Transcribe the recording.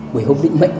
bởi hôm bị mệnh